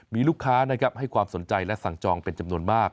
มีลูกค้านะครับให้ความสนใจและสั่งจองเป็นจำนวนมาก